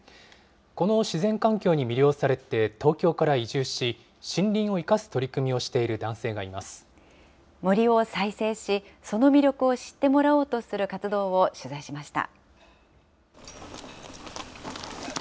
この自然環境に魅了されて東京から移住し、森林を生かす取り組み森を再生し、その魅力を知ってもらおうとする活動を取材しました。